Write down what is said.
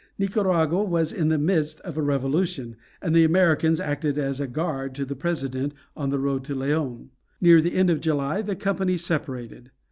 Nicaragua was in the midst of a revolution, and the Americans acted as a guard to the President on the road to Leon. Near the end of July the company separated.